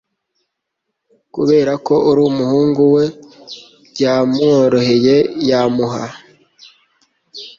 kubera ko uri umuhungu we byamoroheye yamuha